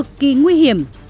bị nguy hiểm